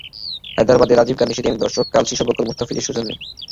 হায়দরাবাদের রাজীব গান্ধী স্টেডিয়ামের দর্শকদের কাল সেই সৌভাগ্য হলো মুস্তাফিজের সৌজন্যে।